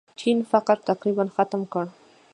چین فقر تقریباً ختم کړ.